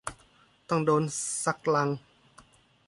ต้องโดนสักลัง